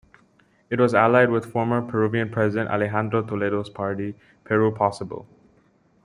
It was allied with former Peruvian president Alejandro Toledo's party, Peru Possible.